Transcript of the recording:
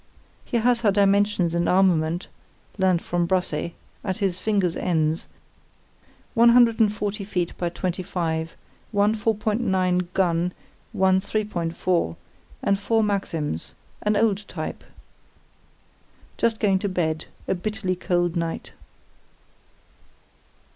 He has her dimensions and armament (learnt from Brassey) at his fingers' ends: one hundred and forty feet by twenty five, one 4.9 gun, one 3.4, and four maxims—an old type. Just going to bed; a bitterly cold night.